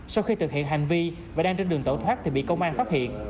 sau khi thực hiện hành vi và đang trên đường tẩu thoát thì bị công an phát hiện